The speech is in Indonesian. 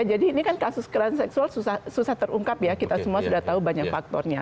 jadi ini kan kasus kekerasan seksual susah terungkap ya kita semua sudah tahu banyak faktornya